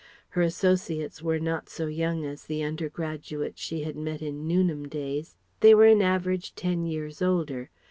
Her associates were not so young as the undergraduates she had met in Newnham days: they were an average ten years older.